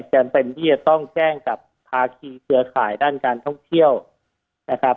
จำเป็นที่จะต้องแจ้งกับภาคีเครือข่ายด้านการท่องเที่ยวนะครับ